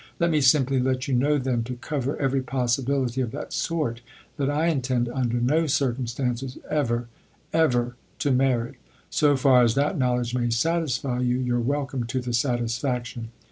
Let me simply let you know, then, to cover every possibility of that sort, that I intend, under no circumstances ever ever to marry. So far as that knowledge may satisfy you, you're welcome to the satisfaction.